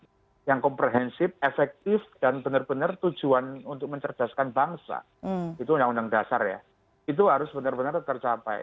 dan itu harus ada pendidikan yang komprehensif efektif dan benar benar tujuan untuk mencerdaskan bangsa itu yang undang dasar ya itu harus benar benar tercapai